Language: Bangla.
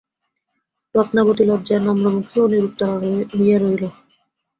রত্নাবতী লজ্জায় নম্রমুখী ও নিরুত্তরা হইয়া রহিল।